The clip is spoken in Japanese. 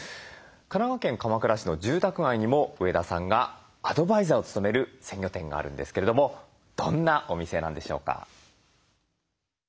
神奈川県鎌倉市の住宅街にも上田さんがアドバイザーを務める鮮魚店があるんですけれどもどんなお店なんでしょうか。